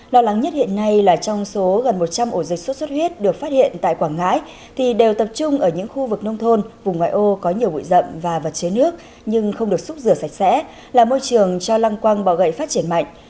lo lắng nhất hiện nay là trong số gần một trăm linh ổ dịch sốt xuất huyết được phát hiện tại quảng ngãi thì đều tập trung ở những khu vực nông thôn vùng ngoại ô có nhiều bụi rậm và vật chế nước nhưng không được xúc rửa sạch sẽ là môi trường cho lăng quang bỏ gậy phát triển mạnh